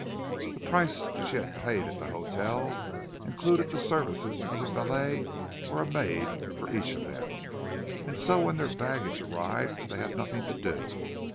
The price which he paid at the hotel included the services of a valet or a maid for each of them, and so when their baggage arrived they had nothing to do.